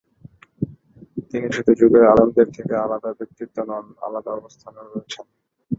তিনি শুধু যুগের আলেমদের থেকে আলাদা ব্যক্তিত্ব নন, আলাদা অবস্থানেও রয়েছেন।